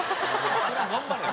それは頑張れよ。